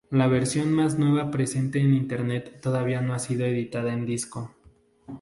La versión más nueva presente en internet todavía no ha sido editada en disco.